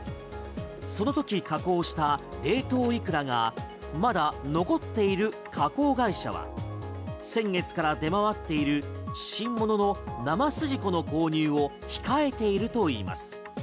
そのとき加工した冷凍イクラがまだ残っている加工会社は先月から出回っている新物の生すじこの購入を控えているといいます。